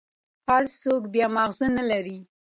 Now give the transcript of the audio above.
هر سوك بيا مازغه نلري.